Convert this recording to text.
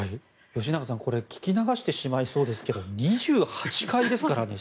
吉永さん聞き流してしまいそうですけど２８階ですからね。